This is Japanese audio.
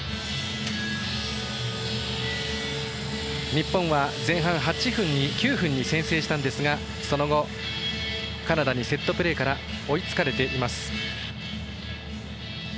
日本は前半９分に先制したんですがその後、カナダにセットプレーから追いつかれています。